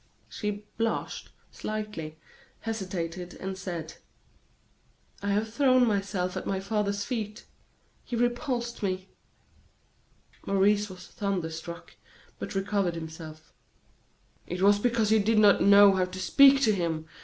She blushed slightly, hesitated, and said: "I have thrown myself at my father's feet; he repulsed me." Maurice was thunderstruck, but recovering himself: "It was because you did not know how to speak to him!"